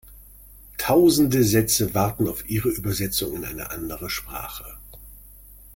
Tausende Sätze warten auf ihre Übersetzung in eine andere Sprache.